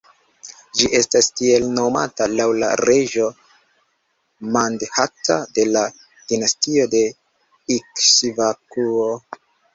Ĝi estas tiel nomata laŭ la reĝo Mandhata de la dinastio de Ikŝvakuo.